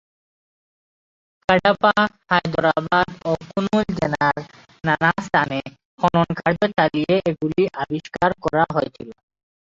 কাডাপা, হায়দরাবাদ ও কুর্নুল জেলার নানা স্থানে খননকার্য চালিয়ে এগুলি আবিষ্কার করা হয়েছিল।